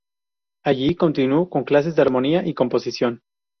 Allí continuó con clases de armonía y composición.